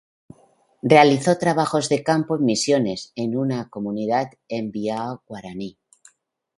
Realizó trabajos de campo en Misiones, en una comunidad Mby´a Guaraní.